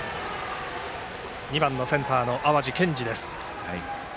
２番センターの淡路建司です。